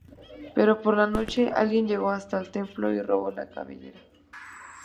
Pero por la noche alguien llegó hasta el templo y robó la cabellera.